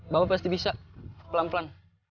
bapak pasti bisa pelan pelan